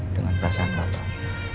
dengan perasaan mbak andien